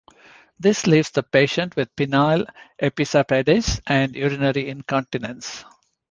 This leaves the patient with penile epispadias and urinary incontinence.